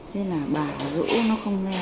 thế là bà rũ nó không nghe